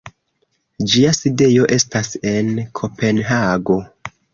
Ĝia sidejo estas en Kopenhago.